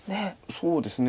そうですね。